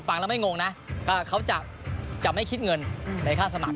ฟังแล้วไม่งงนะว่าเขาจะไม่คิดเงินในค่าสมัคร